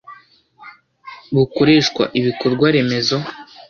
bukoreshwa ibikorwa remezo